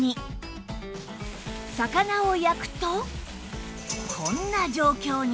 魚を焼くとこんな状況に